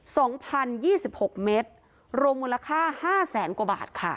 สองพันยี่สิบหกเมตรรวมมูลค่าห้าแสนกว่าบาทค่ะ